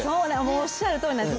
おっしゃるとおりなんです。